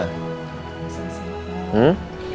uncus atau oma